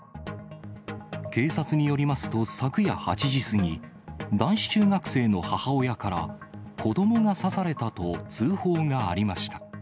警察によりますと、昨夜８時過ぎ、男子中学生の母親から、子どもが刺されたと通報がありました。